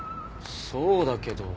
そうだけど。